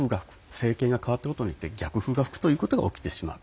政権が変わったことによって逆風が吹くことが起きてしまう。